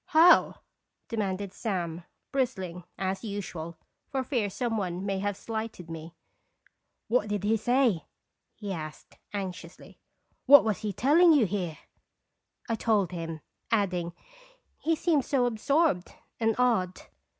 "How?" demanded Sam, bristling, as usual, for fear some one may have slighted me. "What did he say?" he asked, anxiously. " What was he telling you here ?" I told him, adding: " He seems so absorbed and odd."